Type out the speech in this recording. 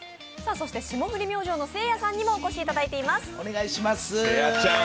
そして、霜降り明星のせいやさんにもお越しいただいています。